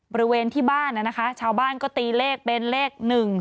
บริเวณที่บ้านนะคะชาวบ้านก็ตีเลขเป็นเลข๑๒